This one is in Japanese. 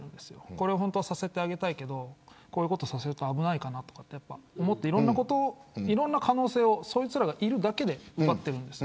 これをさせてあげたいけどこういうことさせると危ないかなと思っていろんな可能性をそいつらがいるだけで奪ってるんです。